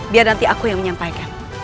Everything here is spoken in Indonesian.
biar nanti aku yang menyampaikan